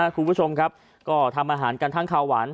คุณผู้ชมครับก็ทำอาหารกันทั้งขาวหวาน